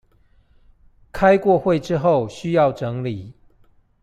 開過會之後需要整理